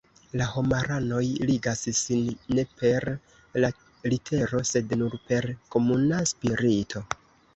La homaranoj ligas sin ne per la litero sed nur per komuna spirito.